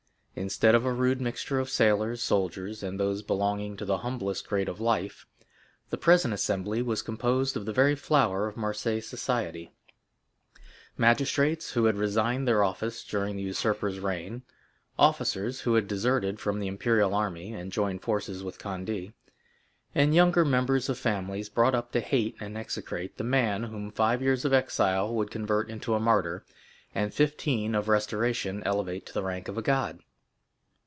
Instead of a rude mixture of sailors, soldiers, and those belonging to the humblest grade of life, the present assembly was composed of the very flower of Marseilles society,—magistrates who had resigned their office during the usurper's reign; officers who had deserted from the imperial army and joined forces with Condé; and younger members of families, brought up to hate and execrate the man whom five years of exile would convert into a martyr, and fifteen of restoration elevate to the rank of a god.